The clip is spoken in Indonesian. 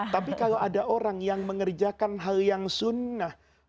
tapi kalau ada orang yang mengerjakan hal yang sunnah